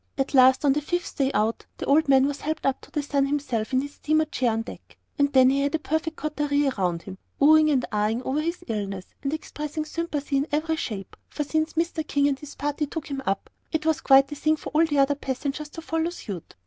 At last on the fifth day out, the old man was helped up to sun himself in his steamer chair on deck. And then he had a perfect coterie around him, oh ing and ah ing over his illness, and expressing sympathy in every shape, for since Mr. King and his party took him up, it was quite the thing for all the other passengers to follow suit.